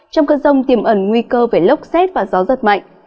trong cơn rông tiềm ẩn nguy cơ về lốc xét và gió giật mạnh